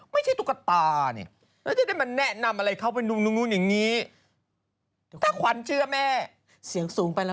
ไม่ใช่ตุ๊กตาเนี่ย